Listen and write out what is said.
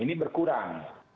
tapi berkurang ini bisa dihitung